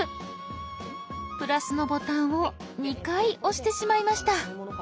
プラスのボタンを２回押してしまいました。